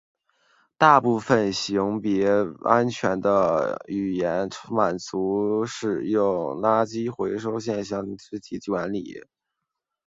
大部分型别安全的语言满足使用垃圾回收实现记忆体的管理。